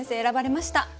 選ばれました。